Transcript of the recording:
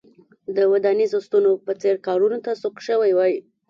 د ودانیزو ستنو په څېر کارونو ته سوق شوي وای.